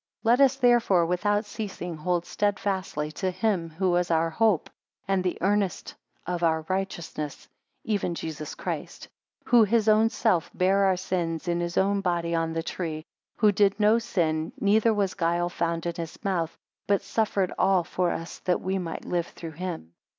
5 Let us therefore without ceasing hold steadfastly to him who is our hope, and the earnest of our righteousness, even Jesus Christ; Who, his own self, bare our sins in his own body on the tree: who did no sin, neither was guile found in his mouth; but suffered all for us that we might live through him.